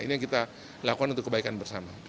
ini yang kita lakukan untuk kebaikan bersama